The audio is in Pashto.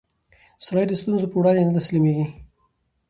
سړی د ستونزو پر وړاندې نه تسلیمېږي